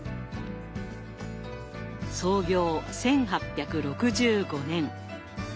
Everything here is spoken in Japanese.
創業１８６５年。